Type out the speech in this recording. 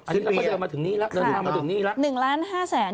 ซื้อแล้วก็เดินมาถึงนี้แล้ว